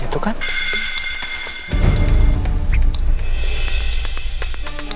gemblong ya masih ya